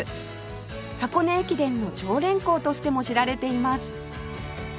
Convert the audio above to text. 箱根駅伝の常連校としても知られています